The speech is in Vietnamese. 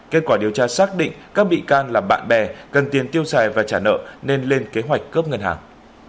kết quả điều tra xác định các bị can là bạn bè cần tiền tiêu xài và trả nợ nên lên kế hoạch cướp ngân hàng